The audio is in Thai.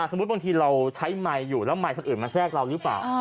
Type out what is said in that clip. บางทีเราใช้ไมค์อยู่แล้วไมค์คนอื่นมาแทรกเราหรือเปล่า